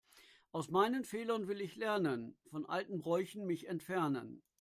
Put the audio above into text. Aus meinen Fehlern will ich lernen, von alten Bräuchen mich entfernen.